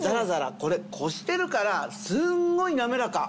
これこしてるからすんごい滑らか！